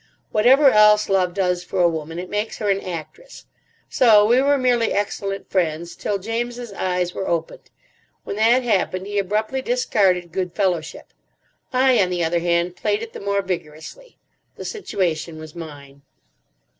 Whatever else love does for a woman, it makes her an actress. So we were merely excellent friends till James's eyes were opened. When that happened, he abruptly discarded good fellowship. I, on the other hand, played it the more vigorously. The situation was mine.